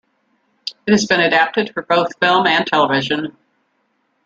It has been adapted for both film and television.